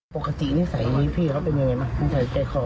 ปกตินิสัยและพี่เขาเป็นยังไงน่ะทิ้งไปเกล้าเขา